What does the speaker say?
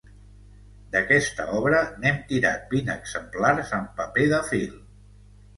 D'aquesta obra, n'hem tirat vint exemplars en paper de fil.